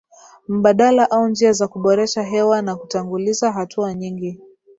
mbadala au njia za kuboresha hewa na kutanguliza hatua Nyingi